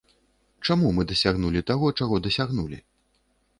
Чаму мы дасягнулі таго, чаго дасягнулі?